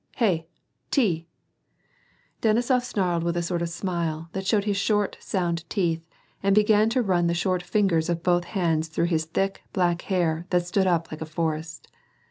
Hey ! Tea !" Denisof snarled with a sort of smile, that showed his short, sound teeth, and began to run the short lingers of both hands through his thick, blacji: hair, that stood up like a forest.